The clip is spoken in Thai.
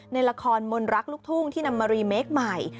ในละครมนรักลูกทุ่งที่นำมารีเมคใหม่